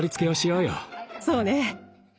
そうね。